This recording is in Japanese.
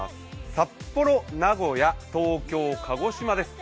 札幌、名古屋、東京、鹿児島です。